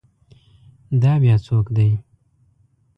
دا بیا څوک دی؟